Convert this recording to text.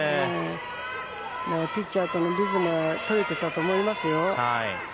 ピッチャーからリズムとれていたと思いますよ。